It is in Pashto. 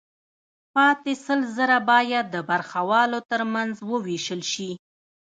پاتې سل زره باید د برخوالو ترمنځ ووېشل شي